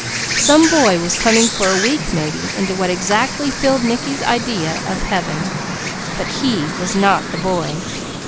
Some boy was coming for a week, maybe, into what exactly filled Mickey's idea of Heaven, but he was not the boy.